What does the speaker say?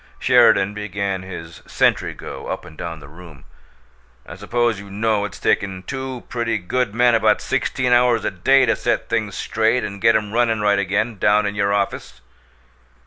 Sheridan began his sentry go up and down the room. "I suppose you know it's taken two pretty good men about sixteen hours a day to set things straight and get 'em runnin' right again, down in your office?"